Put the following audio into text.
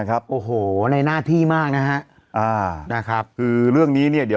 ยังไงยังไงยังไงยังไงยังไง